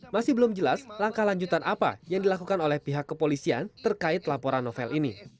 masih belum jelas langkah lanjutan apa yang dilakukan oleh pihak kepolisian terkait laporan novel ini